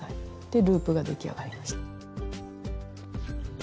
でループが出来上がりました。